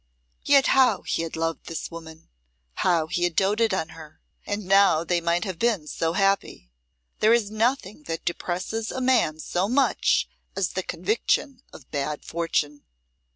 Yet how he had loved this woman! How he had doated on her! And now they might have been so happy! There is nothing that depresses a man so much as the conviction of bad fortune.